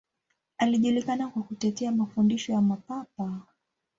Alijulikana kwa kutetea mafundisho ya Mapapa.